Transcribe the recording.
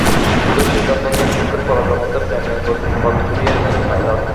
দ্রুত সিদ্ধান্ত নিয়ে চোখের পলকের মধ্যে প্লেনের গতিপথ ঘুরিয়ে নেন পাইলট।